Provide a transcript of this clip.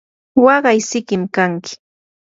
waqay sikim kanki.